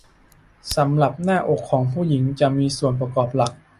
สำหรับหน้าอกของผู้หญิงจะมีส่วนประกอบหลัก